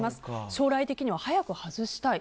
将来的には早く外したい。